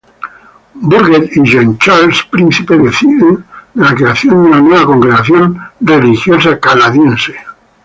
Bourget y Jean-Charles Príncipe deciden de la creación de una nueva congregación religiosa canadiense.